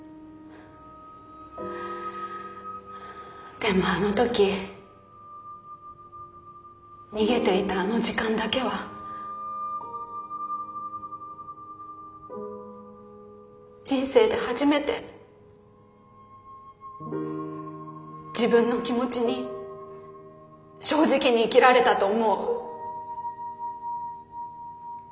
でもあの時逃げていたあの時間だけは人生で初めて自分の気持ちに正直に生きられたと思う。